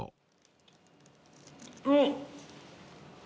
うん。